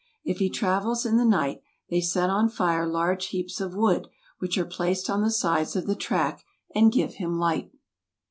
If he travels in the night, they set on fire large heaps of wood, which are placed on the sides of the track, and give him light.